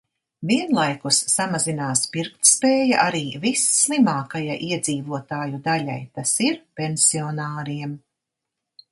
Vienlaikus samazinās pirktspēja arī visslimākajai iedzīvotāju daļai, tas ir, pensionāriem.